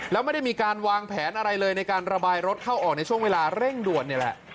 แล้วไม่ได้มีการวางแผนอะไรเลยในการระบายรถเข้าออกในช่วงเวลาเร่งด่วนนี่แหละ